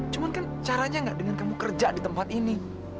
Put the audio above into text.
cuma kan caranya nggak dengan kamu kerja di tempat ini